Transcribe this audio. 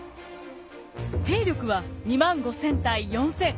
兵力は２万５，０００対４，０００。